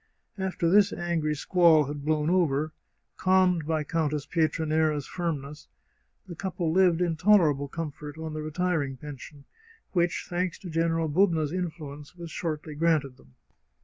After this angry squall had blown over, calmed by Countess Pietranera's firmness, the couple lived in tolerable comfort on the retiring pension, which, thanks to General Bubna's influence, was shortly granted them.